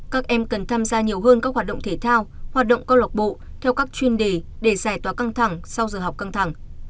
các em cần tham gia nhiều hơn các hoạt động thể thao hoạt động câu lọc bộ theo các chuyên đề để giải tỏa căng thẳng sau giờ học căng thẳng